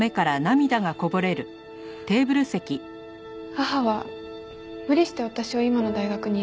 母は無理して私を今の大学に入れてくれたんです。